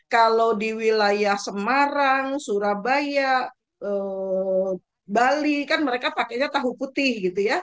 kalau di wilayah semarang surabaya bali kan mereka pakainya tahu putih